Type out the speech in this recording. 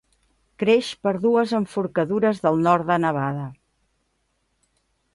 Creix per dues enforcadures del nord de Nevada.